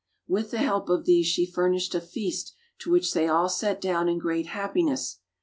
With the help of these she furnished a feast to which they all sat down in great happiness.